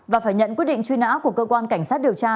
và phải nhận quyết định truy nã của cơ quan cảnh sát điều tra